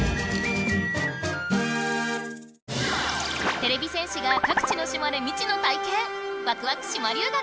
てれび戦士がかく地の島で未知の体験！